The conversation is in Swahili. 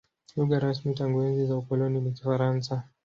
Lugha rasmi tangu enzi za ukoloni ni Kifaransa.